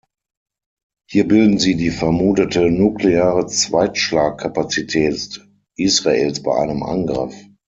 Hier bilden sie die vermutete nukleare Zweitschlag-Kapazität Israels bei einem Angriff.